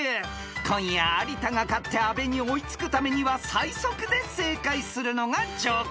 ［今夜有田が勝って阿部に追いつくためには最速で正解するのが条件］